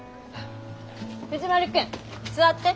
藤丸君座って。